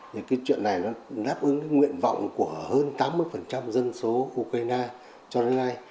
thì cái chuyện này nó đáp ứng cái nguyện vọng của hơn tám mươi dân số ukraine cho đến nay